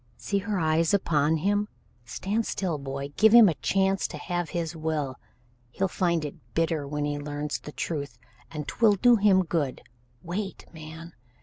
See her eyes upon him. Stand still, boy; give him a chance to have his will. He'll find it bitter when he learns the truth, and 'twill do him good. Wait, man!